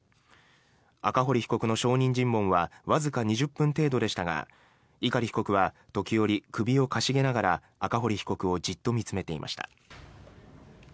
赤堀被告の証人尋問はわずか２０分程度でしたが碇被告は時折、首を傾げながら赤堀被告をじっと見つめていました。